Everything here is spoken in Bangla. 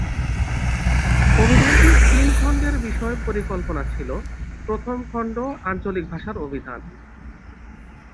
অভিধানটির তিন খন্ডের বিষয় পরিকল্পনা ছিল, প্রথম খন্ড: আঞ্চলিক ভাষার অভিধান।